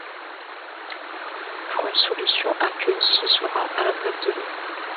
Pour une solution aqueuse, ce sera, à la base, de l'eau.